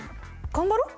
頑張ろう！？